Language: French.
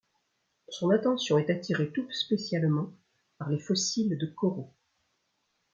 Son attention est attirée tout spécialement par les fossiles de coraux.